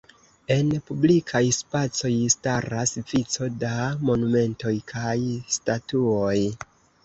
En publikaj spacoj staras vico da monumentoj kaj statuoj.